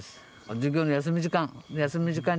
授業の休み時間休み時間に。